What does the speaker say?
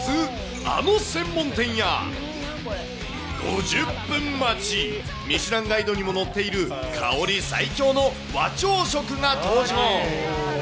あの専門店や、５０分待ち、ミシュランガイドにも載っている香り最強の和朝食が登場。